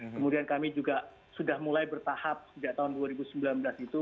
kemudian kami juga sudah mulai bertahap sejak tahun dua ribu sembilan belas itu